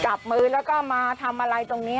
จับมือแล้วก็มาทำอะไรตรงนี้